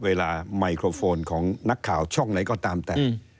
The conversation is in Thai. ไมโครโฟนของนักข่าวช่องไหนก็ตามแต่